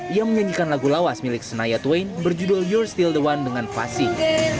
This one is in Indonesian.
ia menyanyikan lagu lawas milik senaya twain berjudul your still the one dengan fasih